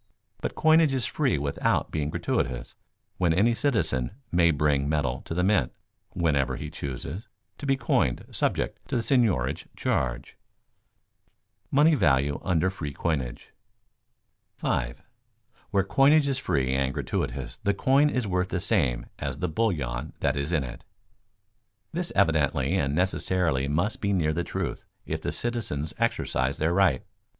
But coinage is free without being gratuitous when any citizen may bring metal to the mint, whenever he chooses, to be coined subject to the seigniorage charge. [Sidenote: Money value under free coinage] 5. Where coinage is free and gratuitous the coin is worth the same as the bullion that is in it. This evidently and necessarily must be near the truth if the citizens exercise their right.